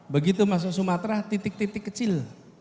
begitu masuk sumatera titik titik kecil